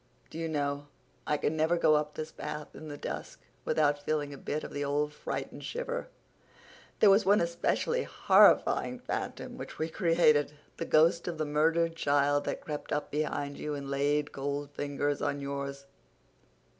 Do you know, I can never go up this path in the dusk without feeling a bit of the old fright and shiver? There was one especially horrifying phantom which we created—the ghost of the murdered child that crept up behind you and laid cold fingers on yours.